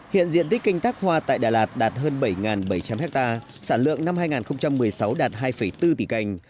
hiện diện tích canh tác hoa tại đà lạt đạt hơn bảy bảy trăm linh ha sản lượng năm hai nghìn một mươi sáu đạt hai bốn tỷ cành